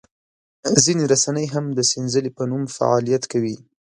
ځینې رسنۍ هم د سنځلې په نوم فعالیت کوي.